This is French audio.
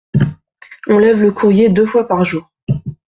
On lève le courrier deux fois par jour.